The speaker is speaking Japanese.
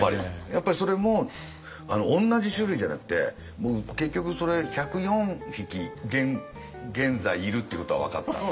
やっぱりそれも同じ種類じゃなくて結局それ１０４匹現在いるっていうことが分かった。